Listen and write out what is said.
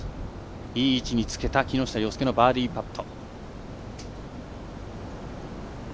いい位置につけた木下稜介のバーディーパット。